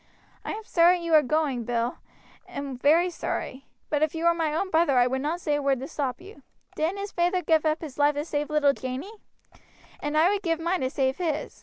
I am sorry you are going, Bill, very sorry; but if you were my own brother I would not say a word to stop you. Didn't his feyther give up his life to save little Janey? and I would give mine to save his.